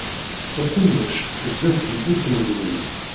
Teqqummec zzat tewwurt n webrid.